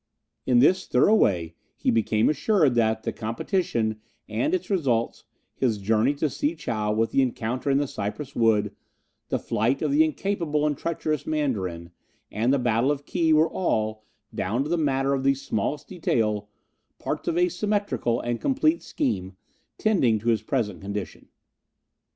In this thorough way he became assured that the competition and its results, his journey to Si chow with the encounter in the cypress wood, the flight of the incapable and treacherous Mandarin, and the battle of Ki, were all, down to the matter of the smallest detail, parts of a symmetrical and complete scheme, tending to his present condition.